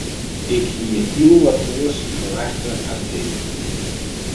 Ik hie hiel wat oars ferwachte as dit.